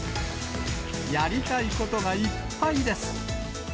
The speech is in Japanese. やりたいことがいっぱいです。